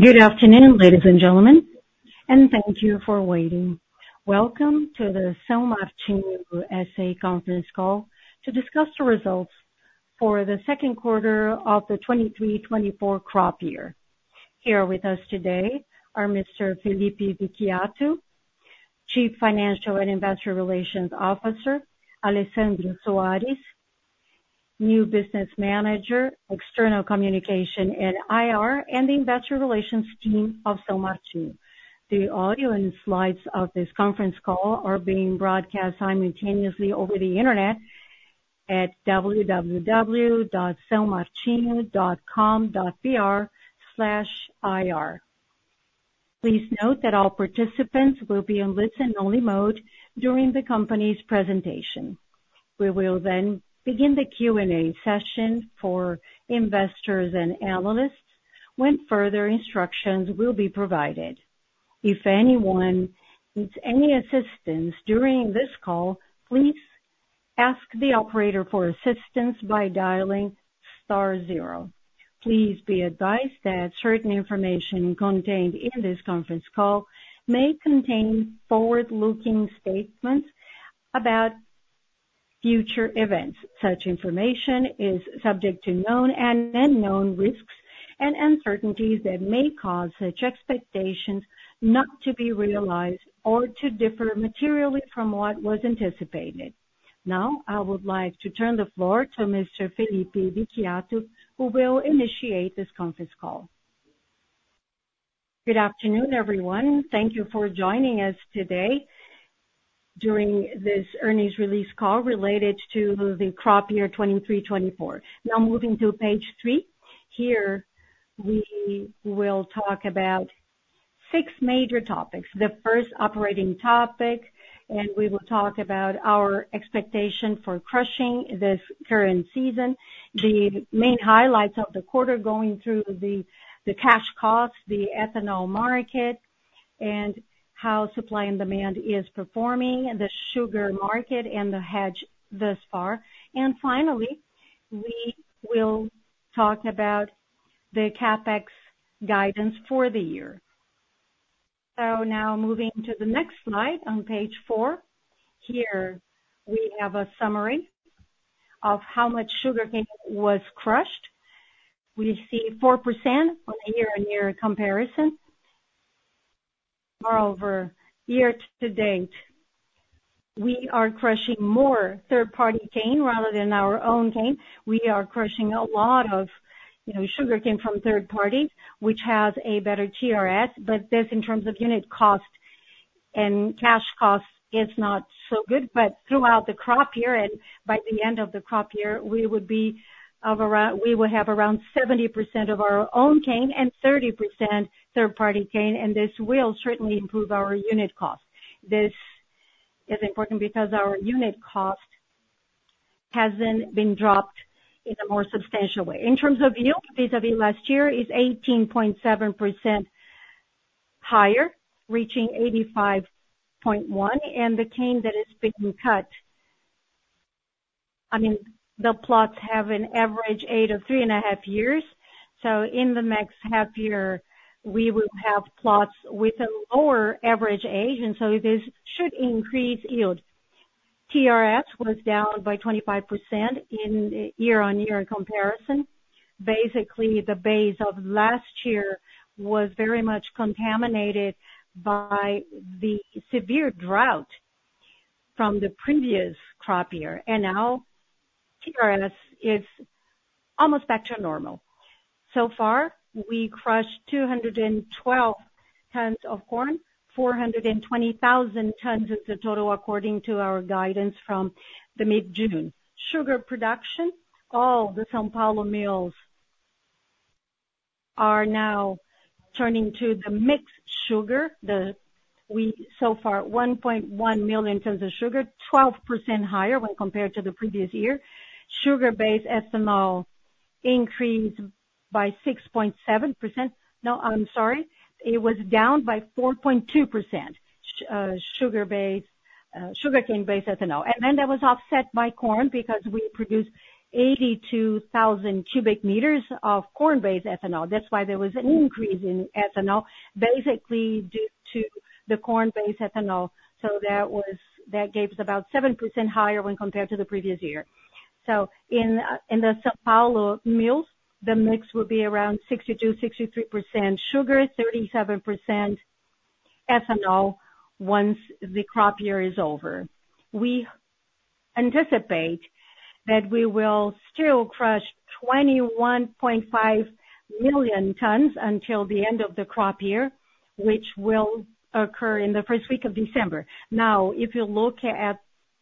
Good afternoon, ladies and gentlemen, and thank you for waiting. Welcome to the São Martinho S/A conference call to discuss the results for the second quarter of the 2023/2024 crop year. Here with us today are Mr. Felipe Vicchiato, Chief Financial and Investor Relations Officer, Alessandro Soares, New Business Manager, External Communication and IR, and the investor relations team of São Martinho. The audio and slides of this conference call are being broadcast simultaneously over the Internet at www.saomartinho.com.br/ir. Please note that all participants will be in listen-only mode during the company's presentation. We will then begin the Q&A session for investors and analysts, when further instructions will be provided. If anyone needs any assistance during this call, please ask the operator for assistance by dialing star zero. Please be advised that certain information contained in this conference call may contain forward-looking statements about future events. Such information is subject to known and unknown risks and uncertainties that may cause such expectations not to be realized or to differ materially from what was anticipated. Now, I would like to turn the floor to Mr. Felipe Vicchiato, who will initiate this conference call. Good afternoon, everyone. Thank you for joining us today during this earnings release call related to the crop year 2023/2024. Now, moving to page three. Here, we will talk about six major topics. The first, operating topic, and we will talk about our expectation for crushing this current season, the main highlights of the quarter, going through the cash costs, the ethanol market, and how supply and demand is performing, the sugar market and the hedge thus far. And finally, we will talk about the CapEx guidance for the year. So now moving to the next slide on page four. Here, we have a summary of how much sugarcane was crushed. We see 4% on a year-on-year comparison. Moreover, year to date, we are crushing more third-party cane rather than our own cane. We are crushing a lot of, you know, sugarcane from third parties, which has a better TRS, but this in terms of unit cost and cash cost, is not so good. But throughout the crop year and by the end of the crop year, we would be of around—we will have around 70% of our own cane and 30% third-party cane, and this will certainly improve our unit cost. This is important because our unit cost hasn't been dropped in a more substantial way. In terms of yield, vis-à-vis last year, is 18.7% higher, reaching 85.1, and the cane that is being cut... I mean, the plots have an average age of three and a half years, so in the next half year, we will have plots with a lower average age, and so this should increase yield. TRS was down by 25% in year-on-year comparison. Basically, the base of last year was very much contaminated by the severe drought from the previous crop year, and now TRS is almost back to normal. So far, we crushed 212 tons of corn, 420,000 tons is the total, according to our guidance from the mid-June. Sugar production, all the São Paulo mills are now turning to the mixed sugar. We so far, 1.1 million tons of sugar, 12% higher when compared to the previous year. Sugar-based ethanol increased by 6.7%. No, I'm sorry, it was down by 4.2%, sugar-based, sugarcane-based ethanol. And then that was offset by corn because we produced 82,000 cu m of corn-based ethanol. That's why there was an increase in ethanol, basically due to the corn-based ethanol. So that was—that gave us about 7% higher when compared to the previous year. So in the São Paulo mills, the mix will be around 62%-63% sugar, 37% ethanol once the crop year is over. We anticipate that we will still crush 21.5 million tons until the end of the crop year, which will occur in the first week of December. Now, if you look at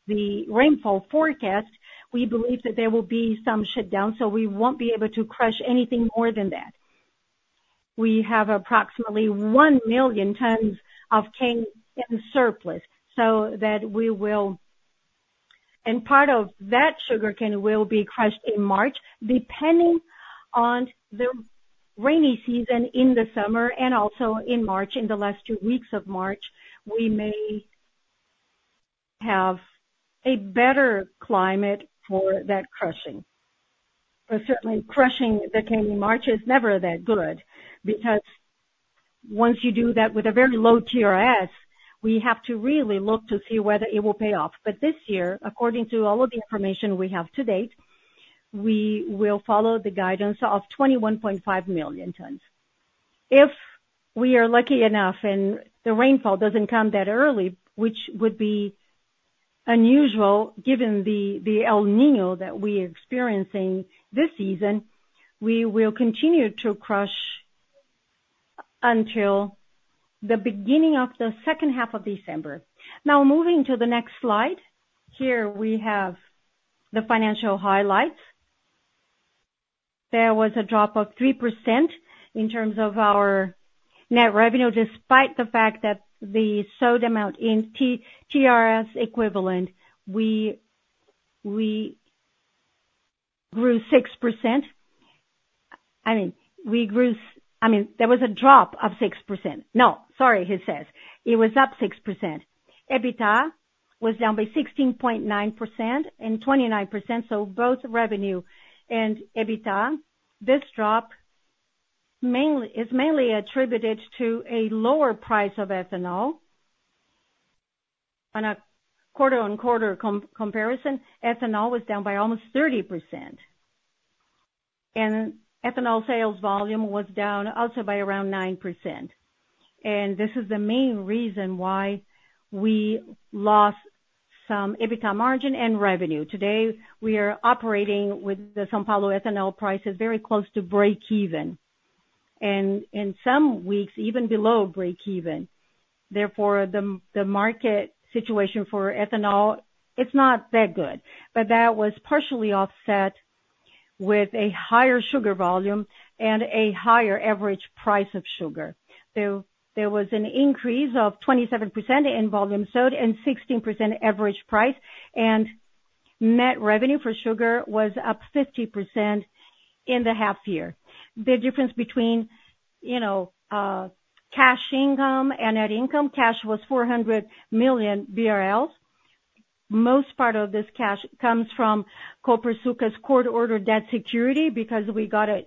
the rainfall forecast, we believe that there will be some shutdown, so we won't be able to crush anything more than that. We have approximately 1 million tons of cane in surplus, so that we will. And part of that sugarcane will be crushed in March. Depending on the rainy season in the summer and also in March, in the last two weeks of March, we may have a better climate for that crushing. But certainly crushing that came in March is never that good, because once you do that with a very low TRS, we have to really look to see whether it will pay off. But this year, according to all of the information we have to date, we will follow the guidance of 21.5 million tons. If we are lucky enough and the rainfall doesn't come that early, which would be unusual, given the El Niño that we're experiencing this season, we will continue to crush until the beginning of the second half of December. Now, moving to the next slide. Here we have the financial highlights. There was a drop of 3% in terms of our net revenue, despite the fact that the sold amount in TRS equivalent, we grew 6%. I mean, we grew. I mean, there was a drop of 6%. No, sorry, he says. It was up 6%. EBITDA was down by 16.9% and 29%, so both revenue and EBITDA. This drop mainly is mainly attributed to a lower price of ethanol. On a quarter-over-quarter comparison, ethanol was down by almost 30%, and ethanol sales volume was down also by around 9%. This is the main reason why we lost some EBITDA margin and revenue. Today, we are operating with the São Paulo ethanol prices very close to breakeven, and in some weeks, even below breakeven. Therefore, the market situation for ethanol, it's not that good. But that was partially offset with a higher sugar volume and a higher average price of sugar. So there was an increase of 27% in volume sold and 16% average price, and net revenue for sugar was up 50% in the half year. The difference between, you know, cash income and net income, cash was 400 million BRL. Most part of this cash comes from Copersucar's court-ordered debt security, because we got it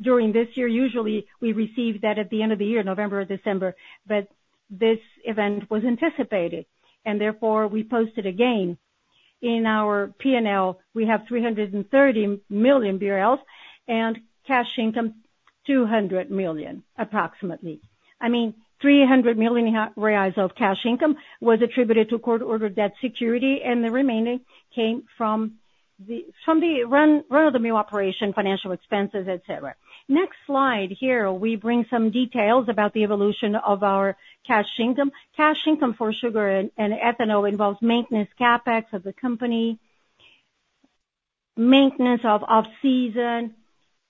during this year. Usually, we receive that at the end of the year, November or December, but this event was anticipated, and therefore we posted a gain. In our P&L, we have 330 million BRL and cash income, 200 million, approximately. I mean, 300 million reais of cash income was attributed to court-ordered debt security, and the remaining came from the from the run-of-the-mill operation, financial expenses, et cetera. Next slide, here, we bring some details about the evolution of our cash income. Cash income for sugar and ethanol involves maintenance CapEx of the company, maintenance of off-season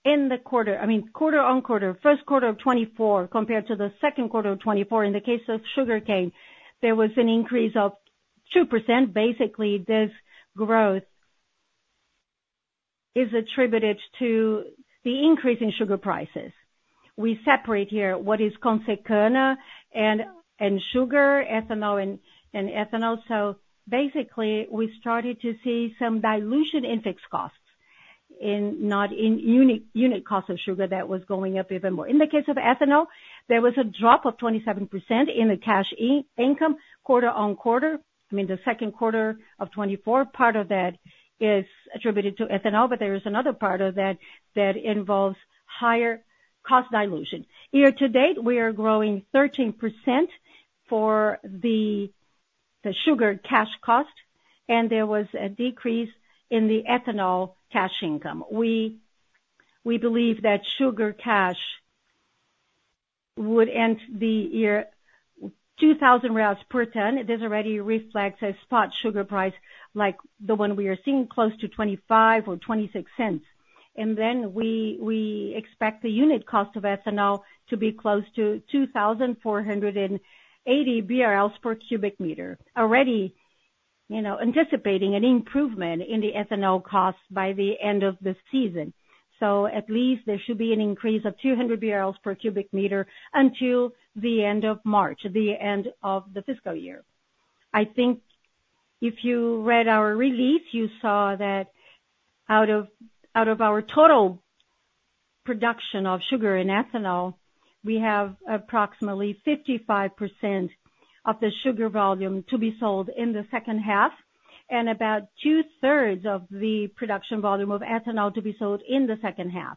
in the quarter—I mean, quarter-on-quarter, first quarter of 2024 compared to the second quarter of 2024. In the case of sugarcane, there was an increase of 2%. Basically, this growth is attributed to the increase in sugar prices. We separate here what is Consecana and sugar, ethanol and ethanol. So basically, we started to see some dilution in fixed costs in—not in unit cost of sugar, that was going up even more. In the case of ethanol, there was a drop of 27% in the cash in-income, quarter-on-quarter. I mean, the second quarter of 2024, part of that is attributed to ethanol, but there is another part of that, that involves higher cost dilution. Year to date, we are growing 13% for the sugar cash cost, and there was a decrease in the ethanol cash income. We believe that sugar cash would end the year 2,000 per ton. This already reflects a spot sugar price like the one we are seeing, close to 0.25 or 0.26. And then we expect the unit cost of ethanol to be close to 2,480 BRL per cu m. Already, you know, anticipating an improvement in the ethanol cost by the end of this season. So at least there should be an increase of 200 BRL per cu m until the end of March, the end of the fiscal year. I think if you read our release, you saw that out of, out of our total production of sugar and ethanol, we have approximately 55% of the sugar volume to be sold in the second half, and about 2/3 of the production volume of ethanol to be sold in the second half.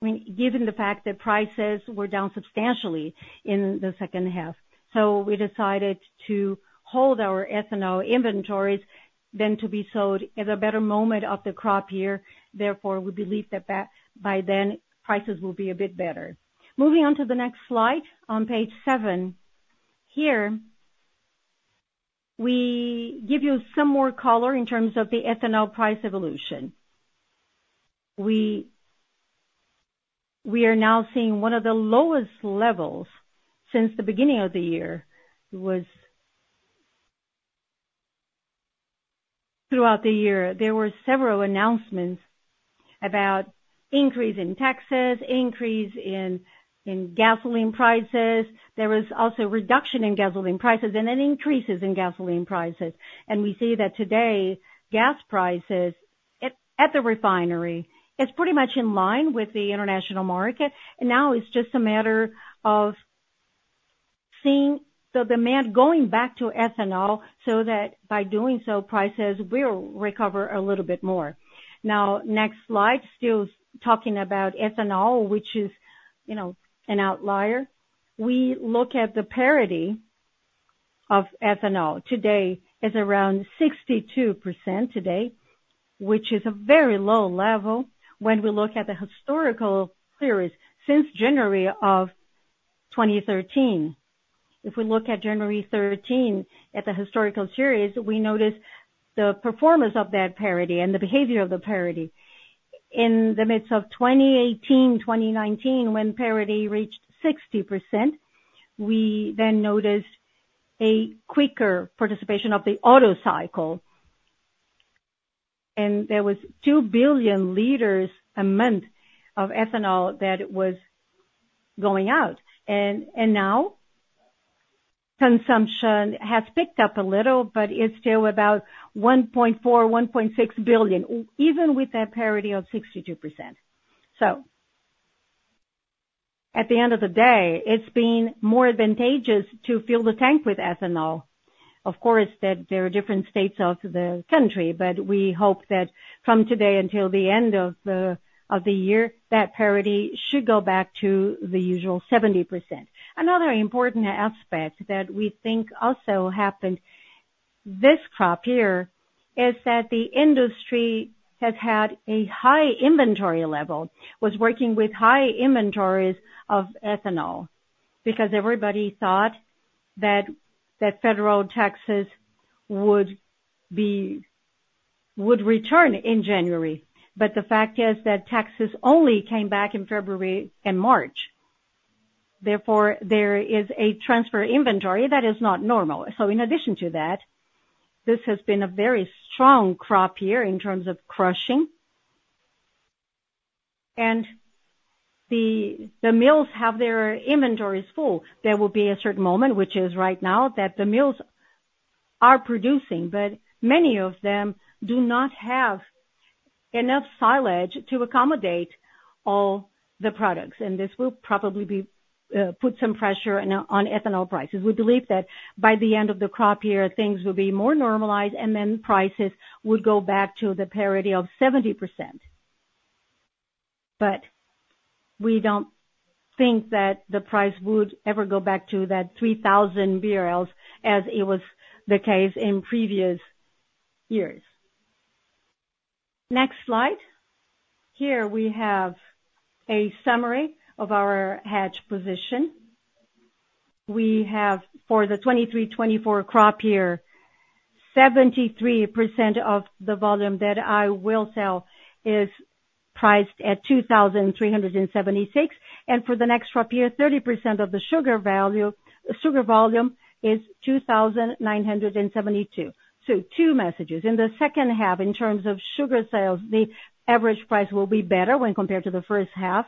I mean, given the fact that prices were down substantially in the second half. So we decided to hold our ethanol inventories, then to be sold at a better moment of the crop year. Therefore, we believe that by, by then, prices will be a bit better. Moving on to the next slide, on page seven. Here, we give you some more color in terms of the ethanol price evolution. We are now seeing one of the lowest levels since the beginning of the year. Throughout the year, there were several announcements about increase in taxes, increase in gasoline prices. There was also reduction in gasoline prices and then increases in gasoline prices. And we see that today, gas prices at the refinery is pretty much in line with the international market. Now it's just a matter of seeing the demand going back to ethanol, so that by doing so, prices will recover a little bit more. Now, next slide. Still talking about ethanol, which is, you know, an outlier. We look at the parity of ethanol. Today is around 62% today, which is a very low level when we look at the historical series since January of 2013. If we look at January 2013, at the historical series, we notice the performance of that parity and the behavior of the parity. In the midst of 2018, 2019, when parity reached 60%, we then noticed a quicker participation of the auto cycle, and there was 2 billion L a month of ethanol that it was going out. Now, consumption has picked up a little, but it's still about 1.4 billion L, 1.6 billion L, even with that parity of 62%. So at the end of the day, it's been more advantageous to fill the tank with ethanol. Of course, that there are different states of the country, but we hope that from today until the end of the year, that parity should go back to the usual 70%. Another important aspect that we think also happened this crop year is that the industry has had a high inventory level and was working with high inventories of ethanol because everybody thought that federal taxes would return in January. But the fact is that taxes only came back in February and March. Therefore, there is a transfer inventory that is not normal. So in addition to that, this has been a very strong crop year in terms of crushing. And the mills have their inventories full. There will be a certain moment, which is right now, that the mills are producing, but many of them do not have enough silos to accommodate all the products, and this will probably put some pressure on ethanol prices. We believe that by the end of the crop year, things will be more normalized, and then prices would go back to the parity of 70%. But we don't think that the price would ever go back to that 3,000 BRL, as it was the case in previous years. Next slide. Here we have a summary of our hedge position. We have for the 2023/2024 crop year, 73% of the volume that I will sell is priced at 2,376, and for the next crop year, 30% of the sugar value—sugar volume is 2,972. So two messages: in the second half, in terms of sugar sales, the average price will be better when compared to the first half,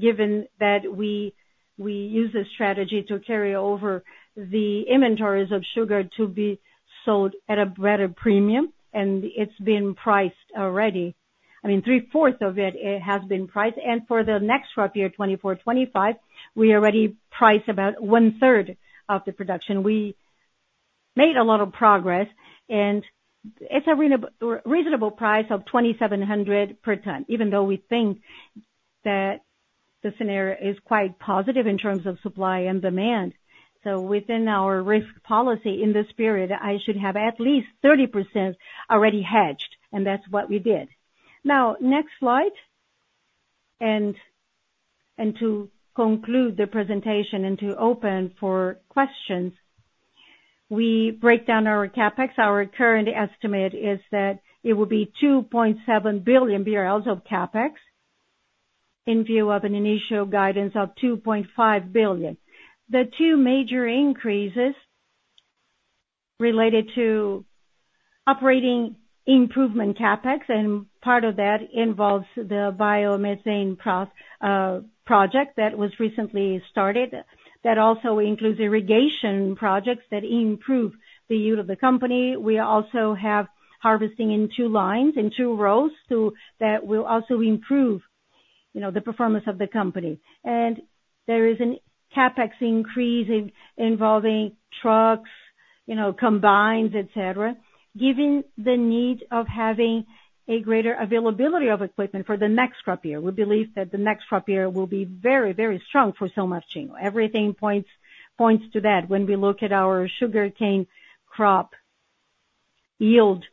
given that we use a strategy to carry over the inventories of sugar to be sold at a better premium, and it's been priced already. I mean, three-fourths of it has been priced. And for the next crop year, 2024/2025, we already priced about one-third of the production. We made a lot of progress, and it's a reasonable price of 2,700 per ton, even though we think that the scenario is quite positive in terms of supply and demand. So within our risk policy, in this period, I should have at least 30% already hedged, and that's what we did. Now, next slide. And to conclude the presentation and to open for questions, we break down our CapEx. Our current estimate is that it will be 2.7 billion BRL of CapEx, in view of an initial guidance of 2.5 billion. The two major increases related to operating improvement CapEx, and part of that involves the biomethane project that was recently started. That also includes irrigation projects that improve the yield of the company. We also have harvesting in two lines, in two rows, so that will also improve, you know, the performance of the company. There is a CapEx increase involving trucks, you know, combines, et cetera. Given the need of having a greater availability of equipment for the next crop year, we believe that the next crop year will be very, very strong for São Martinho. Everything points, points to that. When we look at our sugarcane crop yield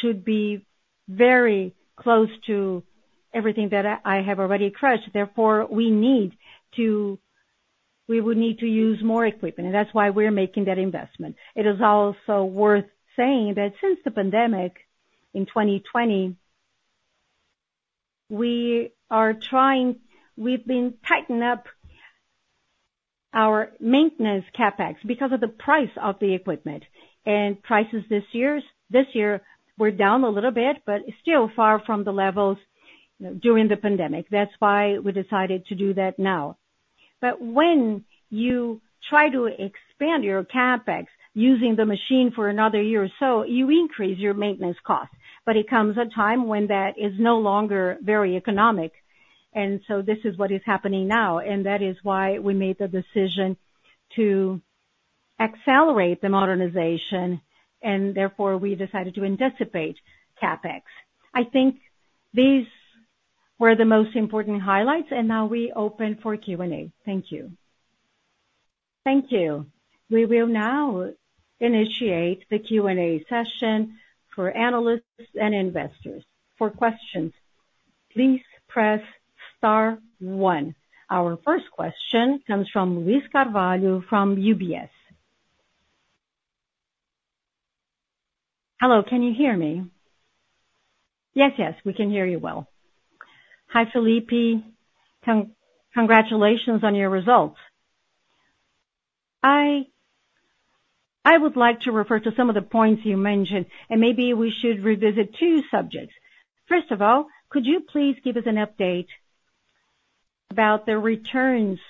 should be very close to everything that I have already crushed. Therefore, we need to... We would need to use more equipment, and that's why we're making that investment. It is also worth saying that since the pandemic in 2020... We are trying, we've been tightening up our maintenance CapEx because of the price of the equipment. And prices this year were down a little bit, but still far from the levels during the pandemic. That's why we decided to do that now. But when you try to expand your CapEx, using the machine for another year or so, you increase your maintenance costs. But it comes a time when that is no longer very economic, and so this is what is happening now, and that is why we made the decision to accelerate the modernization, and therefore, we decided to anticipate CapEx. I think these were the most important highlights, and now we open for Q&A. Thank you. Thank you. We will now initiate the Q&A session for analysts and investors. For questions, please press star one. Our first question comes from Luiz Carvalho from UBS. Hello, can you hear me? Yes, yes, we can hear you well. Hi, Felipe. Congratulations on your results. I would like to refer to some of the points you mentioned, and maybe we should revisit two subjects. First of all, could you please give us an update about the returns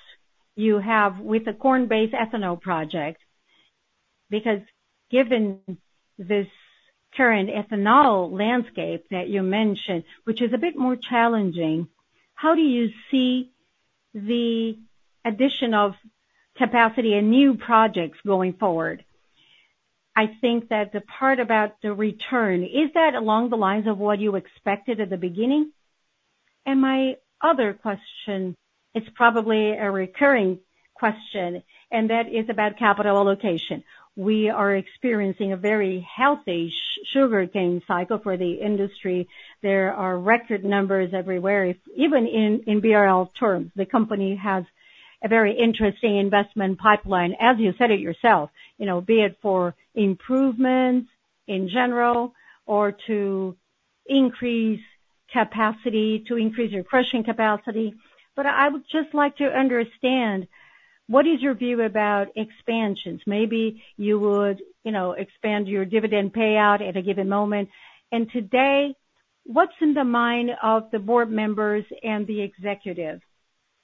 you have with the corn-based ethanol project? Because given this current ethanol landscape that you mentioned, which is a bit more challenging, how do you see the addition of capacity and new projects going forward? I think that the part about the return, is that along the lines of what you expected at the beginning? And my other question, it's probably a recurring question, and that is about capital allocation. We are experiencing a very healthy sugarcane cycle for the industry. There are record numbers everywhere, even in BRL terms, the company has a very interesting investment pipeline, as you said it yourself, you know, be it for improvements in general or to increase capacity, to increase your crushing capacity. But I would just like to understand, what is your view about expansions? Maybe you would, you know, expand your dividend payout at a given moment. Today, what's in the mind of the board members and the executive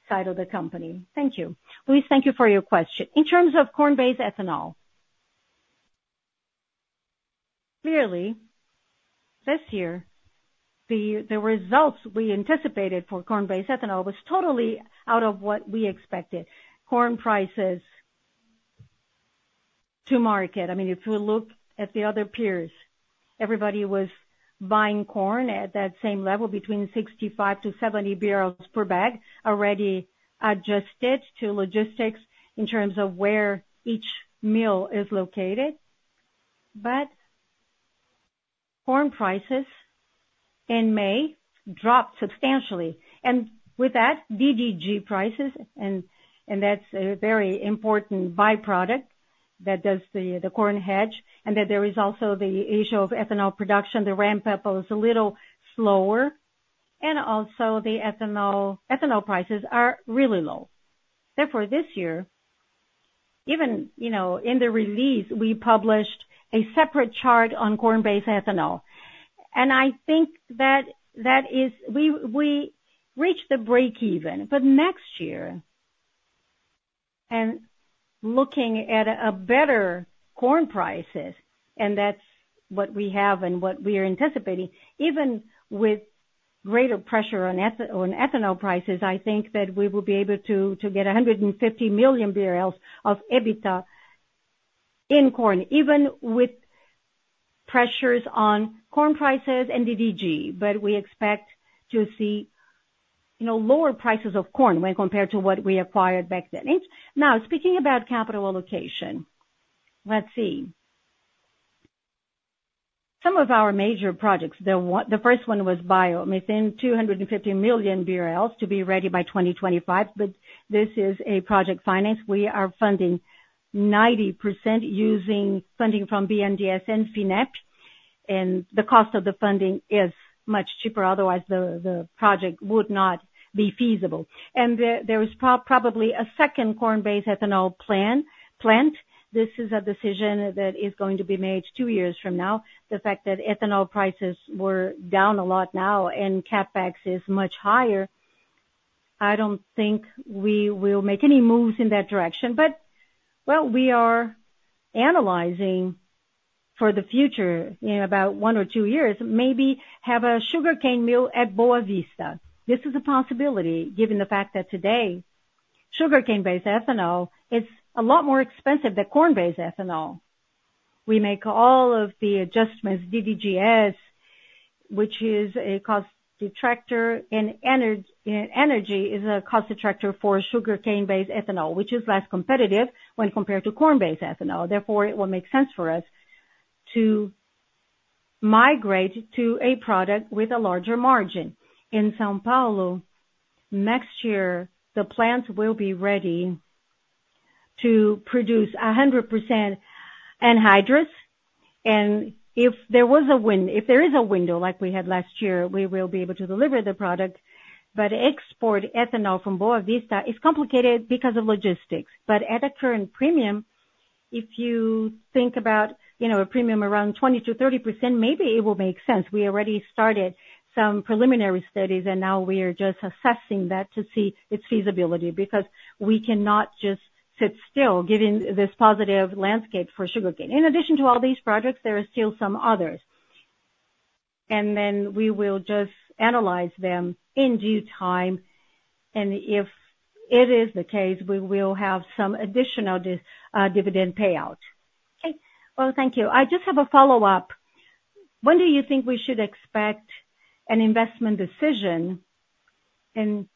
side of the company? Thank you. Luiz, thank you for your question. In terms of corn-based ethanol, clearly, this year, the, the results we anticipated for corn-based ethanol was totally out of what we expected. Corn prices to market, I mean, if you look at the other peers, everybody was buying corn at that same level, between 65-70 per bag, already adjusted to logistics in terms of where each mill is located. But corn prices in May dropped substantially, and with that, DDG prices, and, and that's a very important byproduct that does the, the corn hedge, and that there is also the issue of ethanol production. The ramp up is a little slower, and also the ethanol, ethanol prices are really low. Therefore, this year, even, you know, in the release, we published a separate chart on corn-based ethanol. And I think that that is—we reached the break even, but next year, and looking at a better corn prices, and that's what we have and what we are anticipating, even with greater pressure on eth—on ethanol prices, I think that we will be able to get to 150 million of EBITDA in corn, even with pressures on corn prices and DDG. But we expect to see, you know, lower prices of corn when compared to what we acquired back then. Now, speaking about capital allocation, let's see. Some of our major projects, the one—the first one was bio, within 250 million BRL, to be ready by 2025, but this is a project finance. We are funding 90% using funding from BNDES and Finep, and the cost of the funding is much cheaper, otherwise the project would not be feasible. There is probably a second corn-based ethanol plant. This is a decision that is going to be made two years from now. The fact that ethanol prices were down a lot now and CapEx is much higher, I don't think we will make any moves in that direction. Well, we are analyzing for the future, in about one or two years, maybe have a sugarcane mill at Boa Vista. This is a possibility, given the fact that today, sugarcane-based ethanol is a lot more expensive than corn-based ethanol. We make all of the adjustments, DDGS, which is a cost detractor, and energy is a cost detractor for sugarcane-based ethanol, which is less competitive when compared to corn-based ethanol. Therefore, it will make sense for us to migrate to a product with a larger margin. In São Paulo, next year, the plants will be ready to produce 100% anhydrous, and if there was a win- if there is a window like we had last year, we will be able to deliver the product. But export ethanol from Boa Vista is complicated because of logistics. But at a current premium, if you think about, you know, a premium around 20%-30%, maybe it will make sense. We already started some preliminary studies, and now we are just assessing that to see its feasibility, because we cannot just sit still, given this positive landscape for sugarcane. In addition to all these projects, there are still some others, and then we will just analyze them in due time, and if it is the case, we will have some additional dividend payout. Okay. Well, thank you. I just have a follow-up. When do you think we should expect an investment decision in,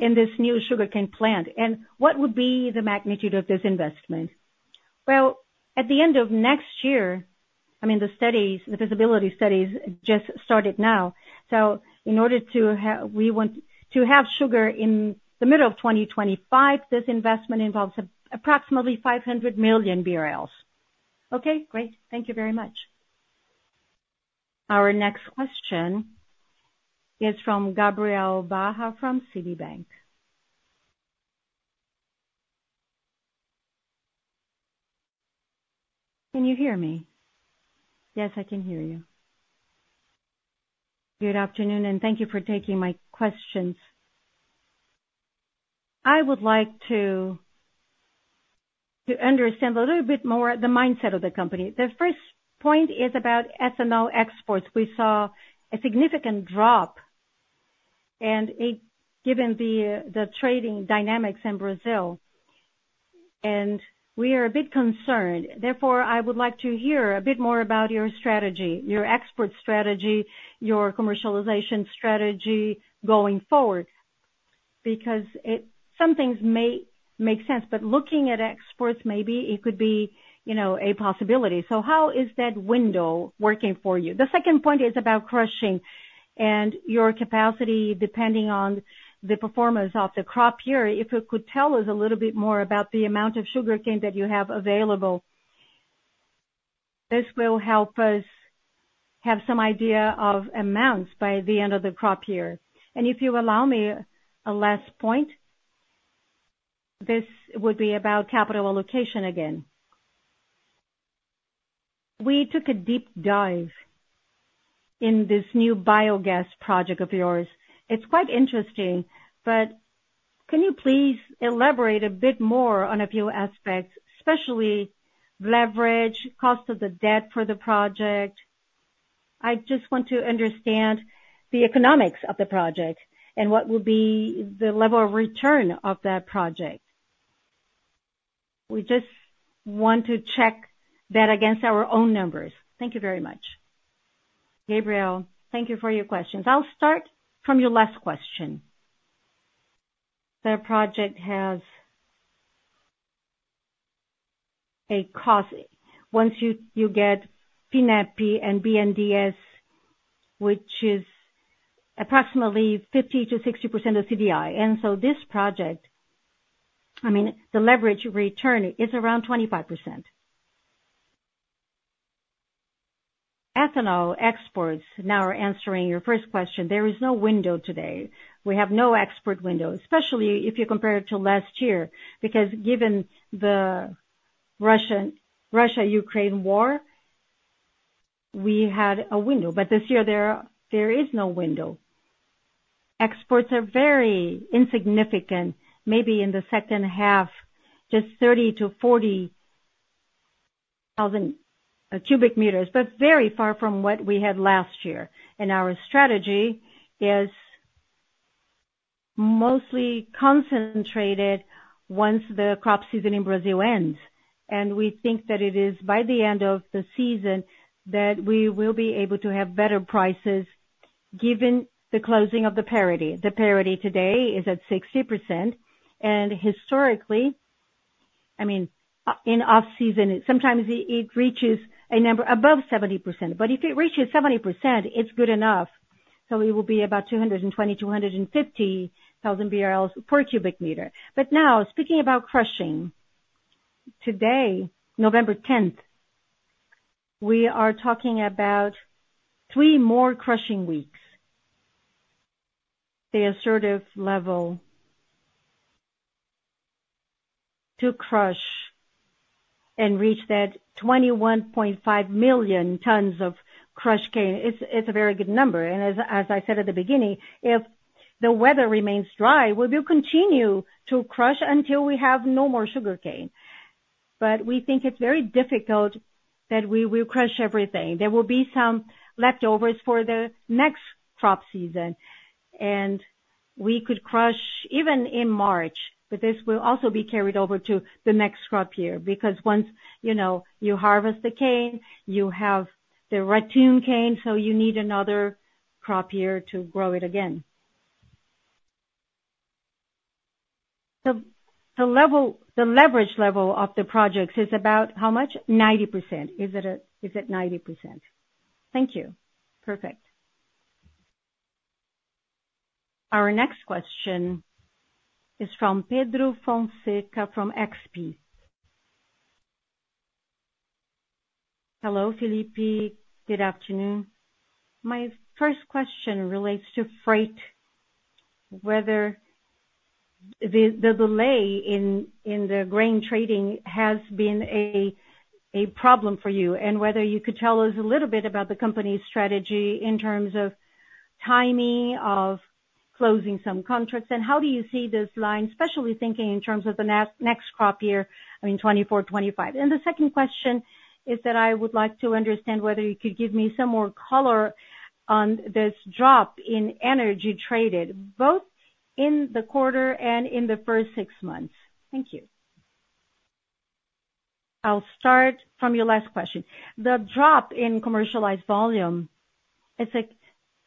in this new sugarcane plant? And what would be the magnitude of this investment? Well, at the end of next year, I mean, the studies, the feasibility studies just started now. In order to have sugar in the middle of 2025, this investment involves approximately 500 million BRL. Okay, great. Thank you very much. Our next question is from Gabriel Barra, from Citibank. Can you hear me? Yes, I can hear you. Good afternoon, and thank you for taking my questions. I would like to understand a little bit more the mindset of the company. The first point is about ethanol exports. We saw a significant drop, and it, given the trading dynamics in Brazil, and we are a bit concerned. Therefore, I would like to hear a bit more about your strategy, your export strategy, your commercialization strategy going forward, because it, some things may make sense, but looking at exports, maybe it could be, you know, a possibility. So how is that window working for you? The second point is about crushing and your capacity, depending on the performance of the crop year. If you could tell us a little bit more about the amount of sugarcane that you have available, this will help us have some idea of amounts by the end of the crop year. And if you allow me a last point, this would be about capital allocation again. We took a deep dive in this new biogas project of yours. It's quite interesting, but can you please elaborate a bit more on a few aspects, especially leverage, cost of the debt for the project? I just want to understand the economics of the project and what will be the level of return of that project. We just want to check that against our own numbers. Thank you very much. Gabriel, thank you for your questions. I'll start from your last question. The project has a cost. Once you get Finep and BNDES, which is approximately 50%-60% of CDI. And so this project, I mean, the leverage return is around 25%. Ethanol exports, now we're answering your first question. There is no window today. We have no export window, especially if you compare it to last year, because given the Russia-Ukraine war, we had a window, but this year there is no window. Exports are very insignificant, maybe in the second half, just 30,000 cu m-40,000 cu m, but very far from what we had last year. And our strategy is mostly concentrated once the crop season in Brazil ends, and we think that it is by the end of the season that we will be able to have better prices, given the closing of the parity. The parity today is at 60%, and historically, I mean, in off season, sometimes it reaches a number above 70%, but if it reaches 70%, it's good enough, so it will be about 220,000-250,000 BRL per cu m. But now, speaking about crushing, today, November 10th, we are talking about three more crushing weeks. The assertive level to crush and reach that 21.5 million tons of crushed cane, it's a very good number, and as I said at the beginning, if the weather remains dry, we will continue to crush until we have no more sugarcane. But we think it's very difficult that we will crush everything. There will be some leftovers for the next crop season, and we could crush even in March, but this will also be carried over to the next crop year, because once, you know, you harvest the cane, you have the ratoon cane, so you need another crop year to grow it again. The, the level, the leverage level of the projects is about how much? 90%. Is it a- is it 90%. Thank you. Perfect. Our next question is from Pedro Fonseca from XP. Hello, Felipe. Good afternoon. My first question relates to freight, whether the delay in the grain trading has been a problem for you, and whether you could tell us a little bit about the company's strategy in terms of timing, of closing some contracts, and how do you see this line, especially thinking in terms of the next crop year, I mean, 2024, 2025? And the second question is that I would like to understand whether you could give me some more color on this drop in energy traded, both in the quarter and in the first six months. Thank you. I'll start from your last question. The drop in commercialized volume is a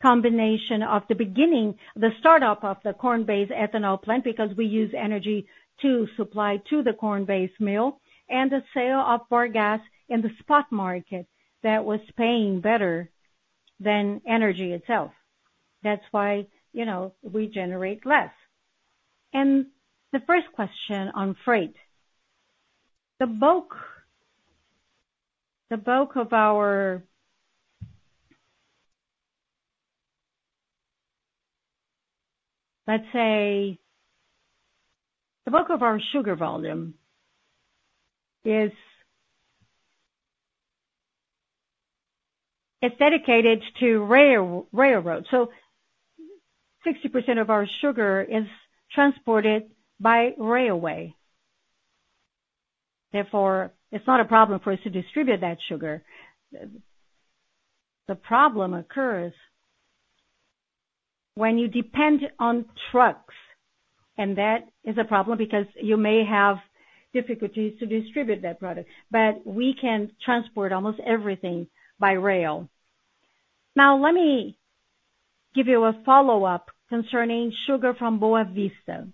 combination of the beginning, the startup of the corn-based ethanol plant, because we use energy to supply to the corn-based mill, and the sale of bagasse in the spot market that was paying better than energy itself. That's why, you know, we generate less. The first question on freight. The bulk, the bulk of our... Let's say, the bulk of our sugar volume is... is dedicated to rail, railroad. So 60% of our sugar is transported by railway. Therefore, it's not a problem for us to distribute that sugar. The problem occurs when you depend on trucks, and that is a problem because you may have difficulties to distribute that product, but we can transport almost everything by rail. Now, let me give you a follow-up concerning sugar from Boa Vista,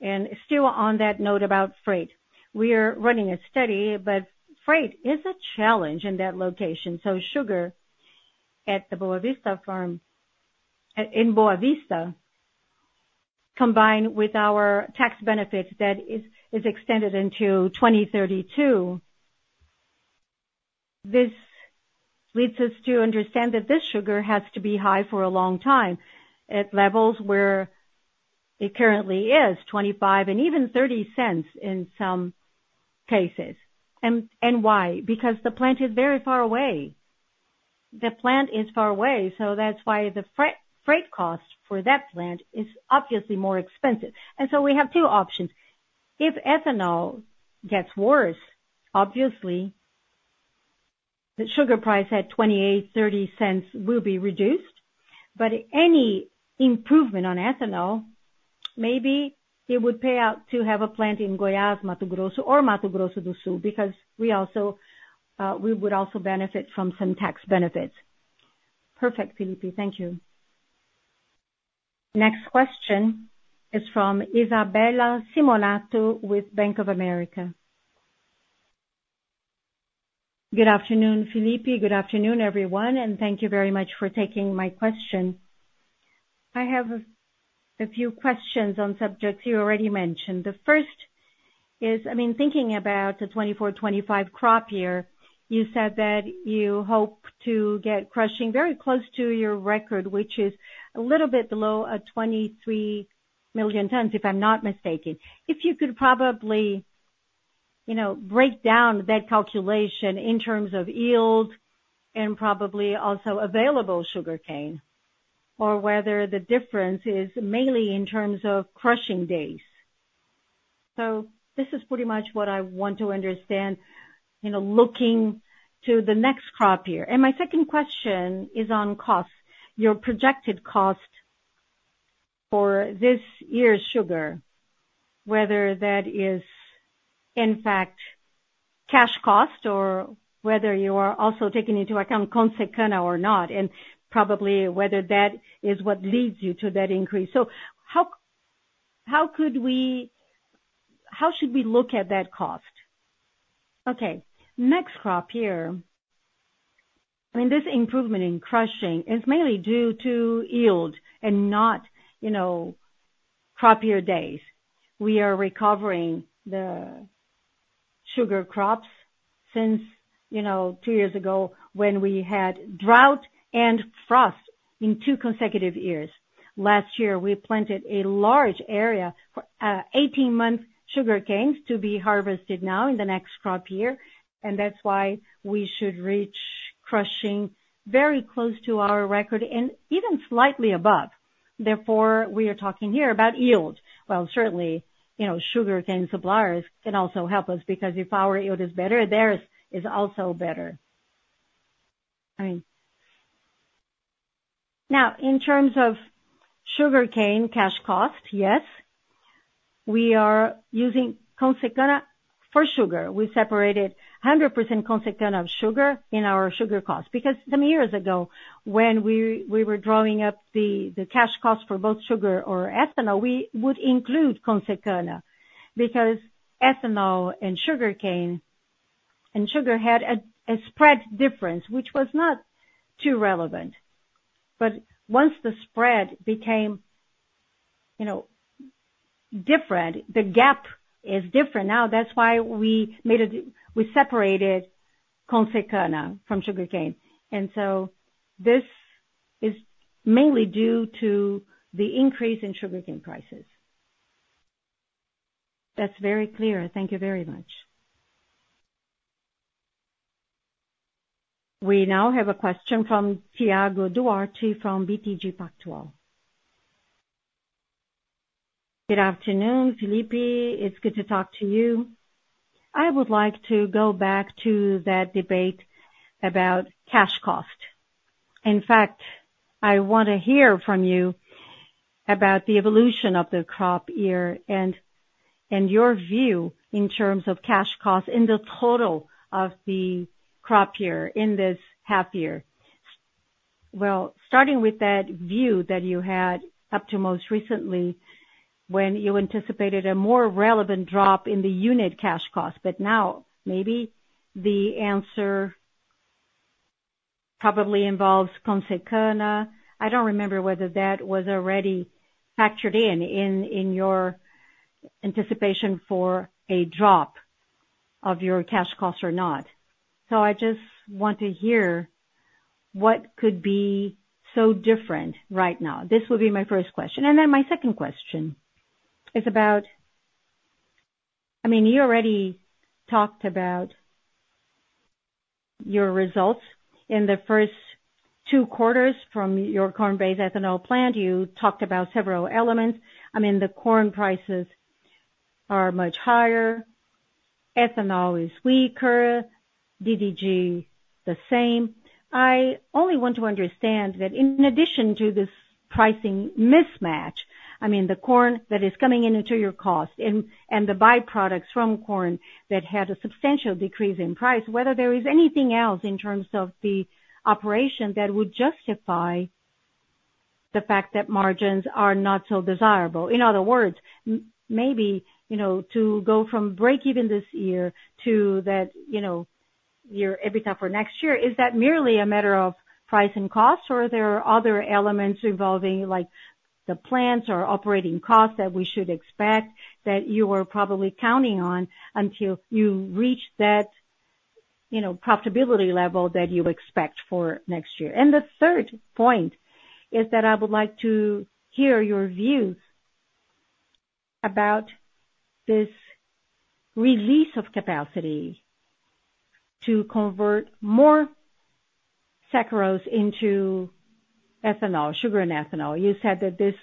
and still on that note about freight. We are running a study, but freight is a challenge in that location. So sugar at the Boa Vista farm in Boa Vista, combined with our tax benefits that is extended into 2032, this leads us to understand that this sugar has to be high for a long time, at levels where it currently is, 0.25 and even 0.30 in some cases. And why? Because the plant is very far away. The plant is far away, so that's why the freight cost for that plant is obviously more expensive. And so we have two options. If ethanol gets worse, obviously, the sugar price at 0.28, 0.30 will be reduced, but any improvement on ethanol, maybe it would pay out to have a plant in Goiás, Mato Grosso or Mato Grosso do Sul, because we also, we would also benefit from some tax benefits. Perfect, Felipe. Thank you. Next question is from Isabella Simonato with Bank of America. Good afternoon, Felipe. Good afternoon, everyone, and thank you very much for taking my question. I have a few questions on subjects you already mentioned. The first is, I mean, thinking about the 2024/2025 crop year, you said that you hope to get crushing very close to your record, which is a little bit below, 23 million tons, if I'm not mistaken. If you could probably, you know, break down that calculation in terms of yield and probably also available sugarcane, or whether the difference is mainly in terms of crushing days. So this is pretty much what I want to understand, you know, looking to the next crop year. And my second question is on cost. Your projected cost for this year's sugar, whether that is in fact cash cost or whether you are also taking into account Consecana or not, and probably whether that is what leads you to that increase. So how, how could we, how should we look at that cost? Okay, next crop year, I mean, this improvement in crushing is mainly due to yield and not, you know, crop year days. We are recovering the sugar crops since, you know, two years ago, when we had drought and frost in two consecutive years. Last year, we planted a large area for 18-month sugarcane to be harvested now in the next crop year, and that's why we should reach crushing very close to our record and even slightly above. Therefore, we are talking here about yield. Well, certainly, you know, sugarcane suppliers can also help us, because if our yield is better, theirs is also better. I mean. Now, in terms of sugarcane cash cost, yes, we are using Consecana for sugar. We separated 100% Consecana of sugar in our sugar cost, because some years ago, when we were drawing up the cash cost for both sugar or ethanol, we would include Consecana, because ethanol and sugar had a spread difference, which was not too relevant. But once the spread became, you know, different, the gap is different now. That's why we made it, we separated Consecana from sugarcane, and so this is mainly due to the increase in sugarcane prices. That's very clear. Thank you very much. We now have a question from Thiago Duarte from BTG Pactual. Good afternoon, Felipe. It's good to talk to you. I would like to go back to that debate about cash cost. In fact, I wanna hear from you about the evolution of the crop year and, and your view in terms of cash costs in the total of the crop year, in this half year. Well, starting with that view that you had up to most recently, when you anticipated a more relevant drop in the unit cash cost, but now maybe the answer probably involves Consecana. I don't remember whether that was already factored in, in, in your anticipation for a drop of your cash cost or not. I just want to hear what could be so different right now. This would be my first question. Then my second question is about... I mean, you already talked about your results in the first two quarters from your corn-based ethanol plant. You talked about several elements. I mean, the corn prices are much higher, ethanol is weaker, DTG, the same. I only want to understand that in addition to this pricing mismatch, I mean, the corn that is coming into your cost and the byproducts from corn that had a substantial decrease in price, whether there is anything else in terms of the operation that would justify the fact that margins are not so desirable. In other words, maybe, you know, to go from break even this year to that, you know, your EBITDA for next year, is that merely a matter of price and cost, or are there other elements involving, like the plants or operating costs, that we should expect that you were probably counting on until you reach that, you know, profitability level that you expect for next year? The third point is that I would like to hear your views about this release of capacity to convert more saccharose into ethanol, sugar and ethanol. You said that this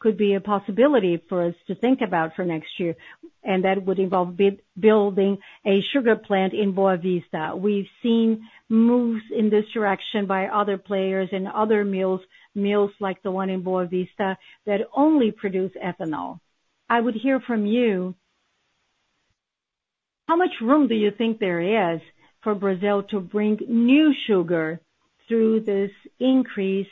could be a possibility for us to think about for next year, and that would involve building a sugar plant in Boa Vista. We've seen moves in this direction by other players and other mills, mills like the one in Boa Vista, that only produce ethanol. I would hear from you, how much room do you think there is for Brazil to bring new sugar through this increase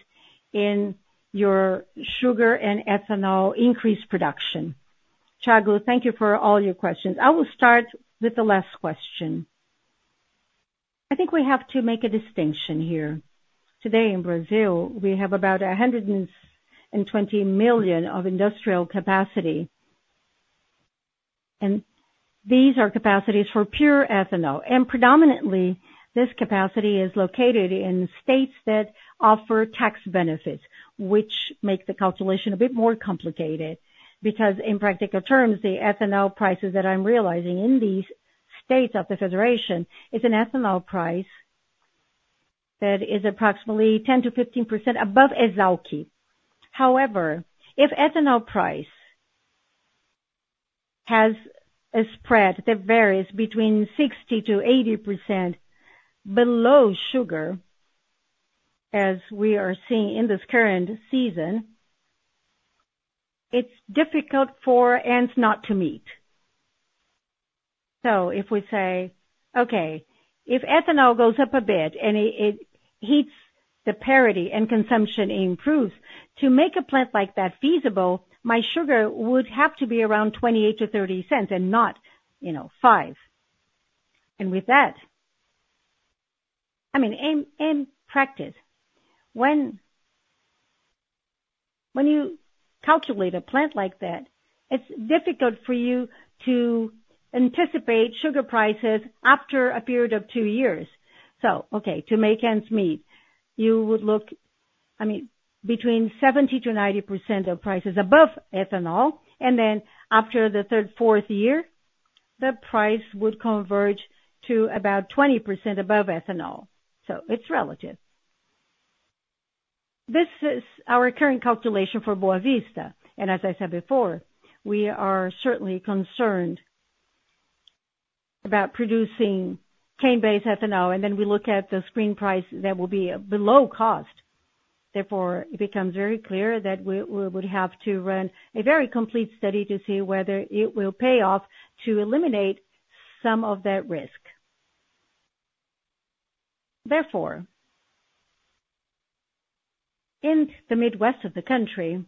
in your sugar and ethanol increased production? Thiago, thank you for all your questions. I will start with the last question. I think we have to make a distinction here. Today, in Brazil, we have about 120 million tons of industrial capacity, and these are capacities for pure ethanol. Predominantly, this capacity is located in states that offer tax benefits, which make the calculation a bit more complicated. Because in practical terms, the ethanol prices that I'm realizing in these states of the federation is an ethanol price that is approximately 10%-15% above Esalq. However, if ethanol price has a spread that varies between 60%-80% below sugar, as we are seeing in this current season, it's difficult for ends not to meet. So if we say, okay, if ethanol goes up a bit and it hits the parity and consumption improves, to make a plant like that feasible, my sugar would have to be around 0.28-0.30 and not, you know, 0.05. And with that, I mean, in practice, when you calculate a plant like that, it's difficult for you to anticipate sugar prices after a period of two years. So, okay, to make ends meet, you would look, I mean, between 70%-90% of prices above ethanol, and then after the third, fourth year, the price would converge to about 20% above ethanol. So it's relative. This is our current calculation for Boa Vista, and as I said before, we are certainly concerned about producing cane-based ethanol, and then we look at the Esalq price that will be below cost. Therefore, it becomes very clear that we would have to run a very complete study to see whether it will pay off to eliminate some of that risk. Therefore, in the Midwest of the country,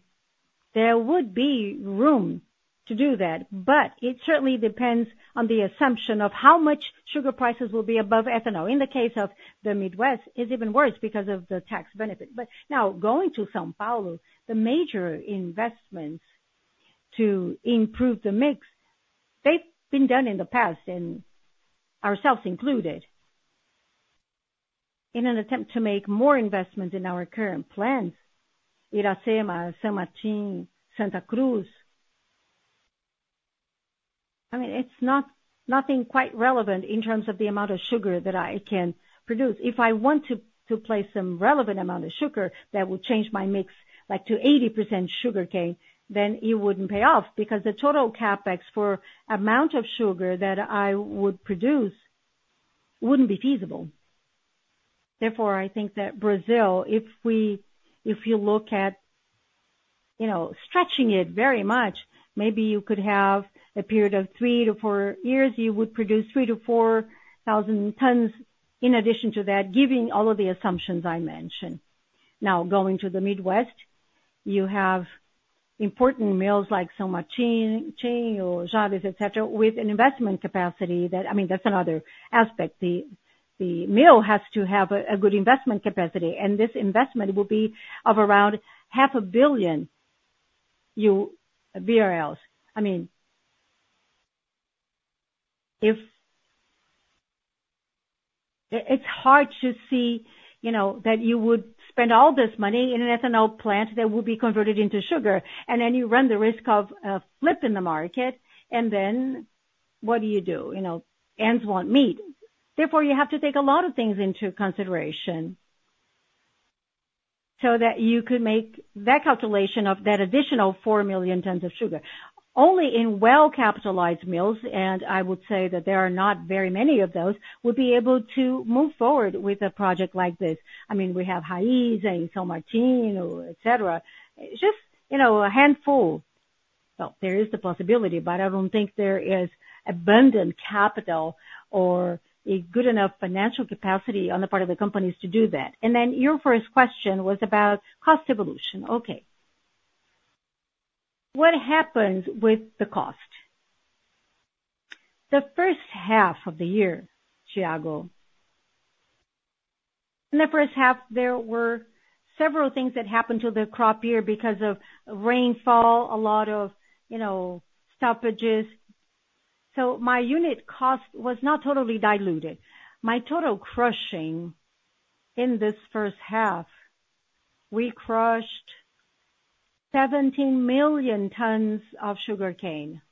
there would be room to do that, but it certainly depends on the assumption of how much sugar prices will be above ethanol. In the case of the Midwest, it's even worse because of the tax benefit. But now, going to São Paulo, the major investments to improve the mix, they've been done in the past, and ourselves included. In an attempt to make more investments in our current plants, Iracema, São Martinho, Santa Cruz, I mean, it's not nothing quite relevant in terms of the amount of sugar that I can produce. If I want to place some relevant amount of sugar that will change my mix, like, to 80% sugarcane, then it wouldn't pay off because the total CapEx for amount of sugar that I would produce wouldn't be feasible. Therefore, I think that Brazil, if you look at, you know, stretching it very much, maybe you could have a period of three to four years, you would produce 3,000 tons-4,000 tons in addition to that, giving all of the assumptions I mentioned. Now, going to the Midwest, you have important mills like São Martinho, Jalles, etc, with an investment capacity that... I mean, that's another aspect. The mill has to have a good investment capacity, and this investment will be of around 500 million BRL. I mean, if it's hard to see, you know, that you would spend all this money in an ethanol plant that will be converted into sugar, and then you run the risk of a flip in the market, and then what do you do? You know, ends won't meet. Therefore, you have to take a lot of things into consideration, so that you could make that calculation of that additional 4 million tons of sugar. Only in well-capitalized mills, and I would say that there are not very many of those, would be able to move forward with a project like this. I mean, we have Raízen and São Martinho, etc. Just, you know, a handful. Well, there is the possibility, but I don't think there is abundant capital or a good enough financial capacity on the part of the companies to do that. And then your first question was about cost evolution. Okay. What happens with the cost? The first half of the year, Thiago, in the first half, there were several things that happened to the crop year because of rainfall, a lot of, you know, stoppages. So my unit cost was not totally diluted. My total crushing in this first half, we crushed 17 million tons of sugarcane.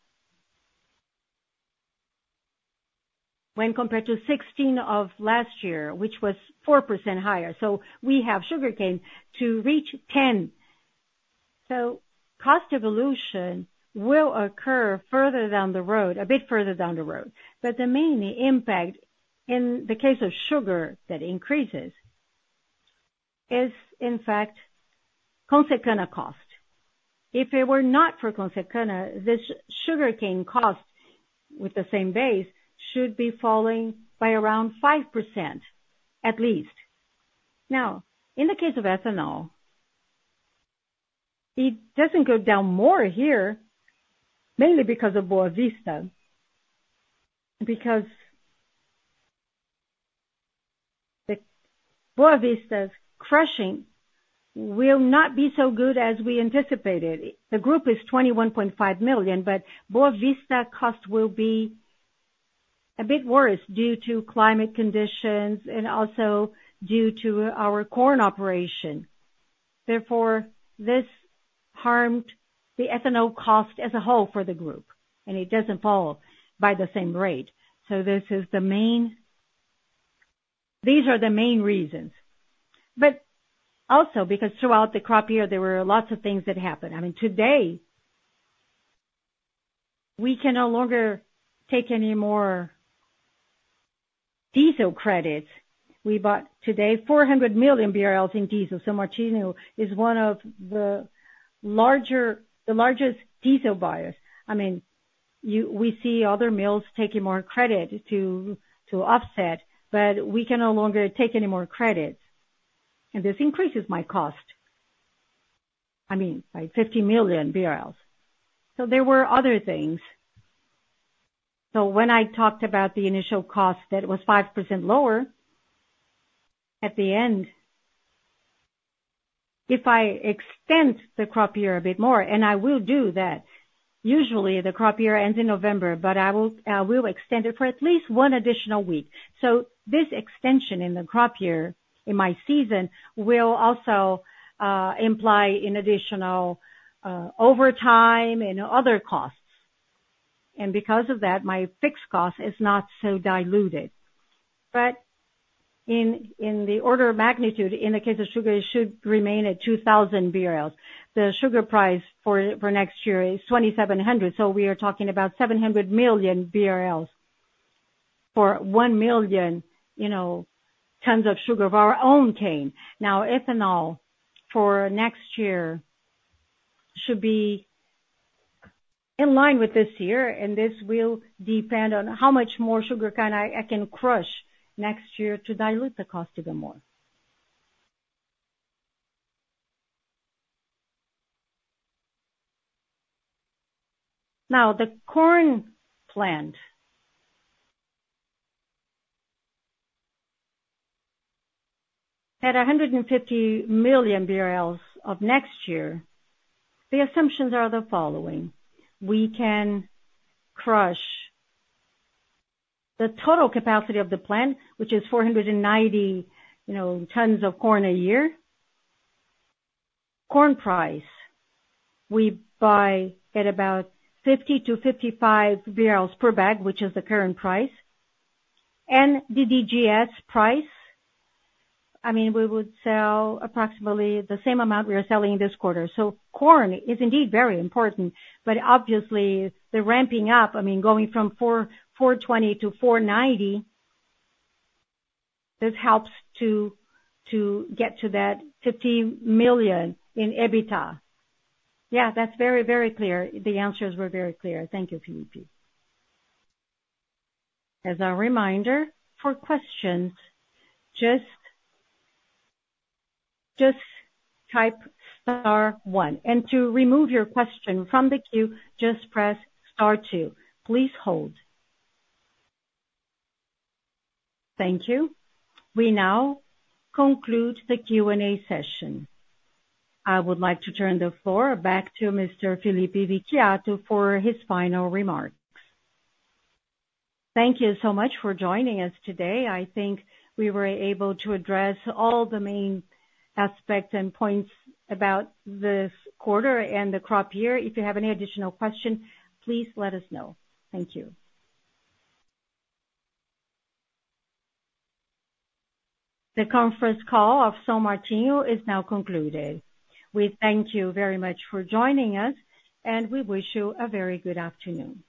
When compared to 16 million tons of last year, which was 4% higher, so we have sugarcane to reach 10%. So cost evolution will occur further down the road, a bit further down the road. But the main impact in the case of sugar that increases is, in fact, Consecana cost. If it were not for Consecana, this sugarcane cost, with the same base, should be falling by around 5%, at least. Now, in the case of ethanol, it doesn't go down more here, mainly because of Boa Vista. Because the Boa Vista's crushing will not be so good as we anticipated. The group is 21.5 million, but Boa Vista cost will be a bit worse due to climate conditions and also due to our corn operation. Therefore, this harmed the ethanol cost as a whole for the group, and it doesn't fall by the same rate. So this is the main... These are the main reasons. But also because throughout the crop year, there were lots of things that happened. I mean, today, we can no longer take any more diesel credits. We bought today 400 million BRL in diesel, so São Martinho is one of the larger, the largest diesel buyers. I mean, we see other mills taking more credit to offset, but we can no longer take any more credits, and this increases my cost, I mean, by 50 million BRL. So there were other things. So when I talked about the initial cost, that was 5% lower, at the end, if I extend the crop year a bit more, and I will do that, usually the crop year ends in November, but I will, we'll extend it for at least one additional week. So this extension in the crop year in my season will also imply an additional overtime and other costs. And because of that, my fixed cost is not so diluted. But in the order of magnitude, in the case of sugar, it should remain at 2,000 BRL. The sugar price for next year is 2,700, so we are talking about 700 million BRL for 1 million, you know, tons of our own cane. Now, ethanol for next year should be in line with this year, and this will depend on how much more sugarcane I can crush next year to dilute the cost even more. Now, the corn plant at 150 million for next year, the assumptions are the following: We can crush the total capacity of the plant, which is 490, you know, tons of corn a year. Corn price, we buy at about 50- 55 per bag, which is the current price. And the DDGS price, I mean, we would sell approximately the same amount we are selling this quarter. So corn is indeed very important, but obviously the ramping up, I mean, going from 420 tons to 490 tons, this helps to get to that 50 million in EBITDA. Yeah, that's very, very clear. The answers were very clear. Thank you, Felipe. As a reminder, for questions, just type star one, and to remove your question from the queue, just press star two. Please hold. Thank you. We now conclude the Q&A session. I would like to turn the floor back to Mr. Felipe Vicchiato for his final remarks. Thank you so much for joining us today. I think we were able to address all the main aspects and points about this quarter and the crop year. If you have any additional questions, please let us know. Thank you. The conference call of São Martinho is now concluded. We thank you very much for joining us, and we wish you a very good afternoon.